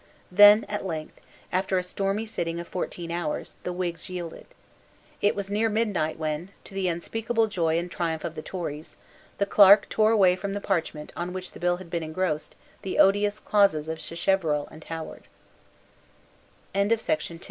Then at length, after a stormy sitting of fourteen hours, the Whigs yielded. It was near midnight when, to the unspeakable joy and triumph of the Tories, the clerk tore away from the parchment on which the bill had been engrossed the odious clauses of Sacheverell and Howard, Emboldened by this great v